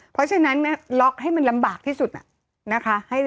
เพราะฉะนั้นล็อกให้มันลำบากที่สุดนะคะ